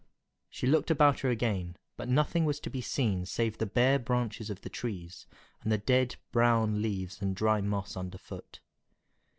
She looked about her again, but nothing was to be seen save the bare branches of the trees, and the dead, brown leaves and dry moss underfoot.